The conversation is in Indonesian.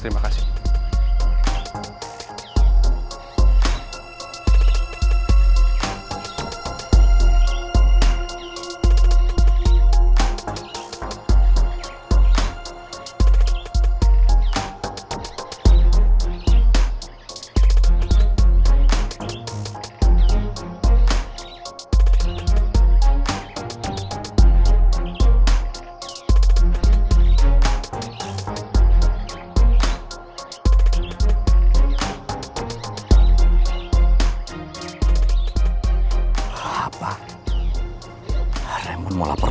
tak ada masalah